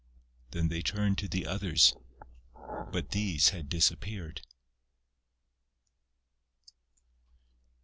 Then they turned to the others ... but these had disappeared....